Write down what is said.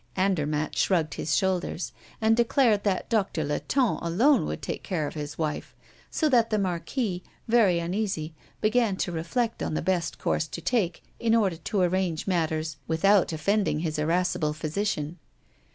Andermatt shrugged his shoulders, and declared that Doctor Latonne alone would take care of his wife, so that the Marquis, very uneasy, began to reflect on the best course to take in order to arrange matters without offending his irascible physician.